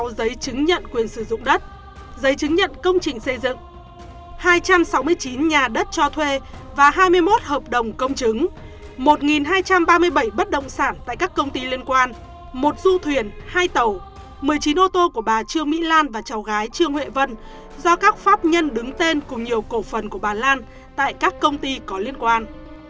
sáu mươi sáu giấy chứng nhận quyền sử dụng đất giấy chứng nhận công trình xây dựng hai trăm sáu mươi chín nhà đất cho thuê và hai mươi một hợp đồng công chứng một hai trăm ba mươi bảy bất động sản tại các công ty liên quan một du thuyền hai tàu một mươi chín ô tô của bà trương mỹ lan và cháu gái trương huệ vân do các pháp nhân đứng tên cùng nhiều cổ phần của bà lan tại các công ty có liên quan